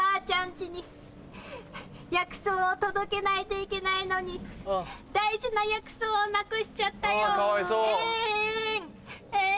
家に薬草を届けないといけないのに大事な薬草をなくしちゃったよえんえん。